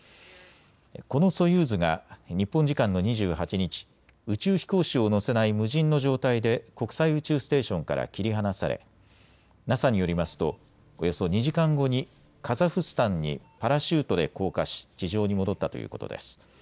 このソユーズが日本時間の２８日、宇宙飛行士を乗せない無人の状態で国際宇宙ステーションから切り離されＮＡＳＡによりますとおよそ２時間後にカザフスタンにパラシュートで降下し地上に戻ったということです。